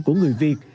của người việt